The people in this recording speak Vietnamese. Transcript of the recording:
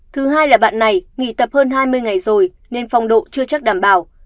thứ hai là bạn này nghỉ tập hơn hai mươi ngày rồi nên phong độ chưa chắc đảm bảo